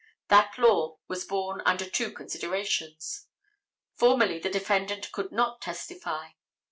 That law was born under two considerations. Formerly the defendant could not testify.